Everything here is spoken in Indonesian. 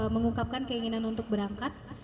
mengungkapkan keinginan untuk berangkat